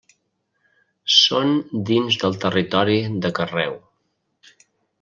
Són dins del territori de Carreu.